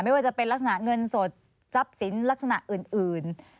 ไม่ว่าจะเป็นลักษณะเงินสดทรัพย์สินลักษณะอื่น